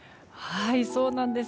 そうなんです。